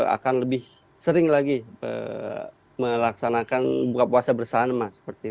akan lebih sering lagi melaksanakan buka puasa bersama